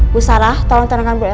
bu sarah tolong tenangkan bu elsa ya